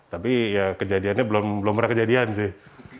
tapi ya kejadiannya belum pernah kejadian sih